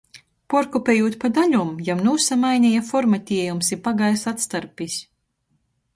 Puorkopejūt pa daļom, jam nūsamaineja formatiejums i pagaisa atstarpis.